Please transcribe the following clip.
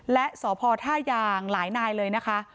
และสพท่ายางหลายนายเลยนะคะ